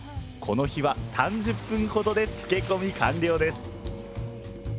この日は３０分ほどでつけ込み完了です。